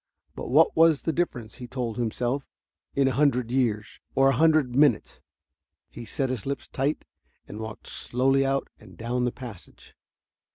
But what was the difference, he told himself, in a hundred years or a hundred minutes. He set his lips tight and walked slowly out and down the passage.